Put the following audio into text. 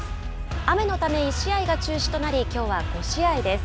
雨のため１試合が中止となりきょうは５試合です。